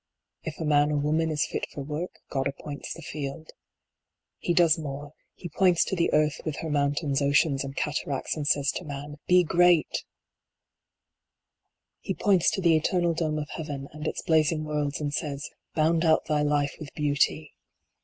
If a man or woman is fit for work, God appoints the field. He does more ; He points to the earth with her moun tains, oceans, and cataracts, and says to man, "Be great r GENIUS. 65 He points to the eternal dome of heaven and its blazing worlds, and says :" Bound out thy life with beauty."